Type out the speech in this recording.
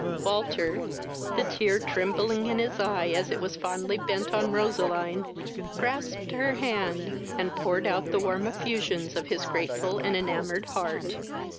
Walter, the tear trembling in his eye as it was fondly bent on Roseline, grasped her hand, and poured out the warm effusions of his grateful and enamoured heart.